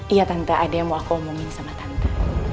iya tante ada yang mau aku omongin sama tante